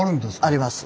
あります。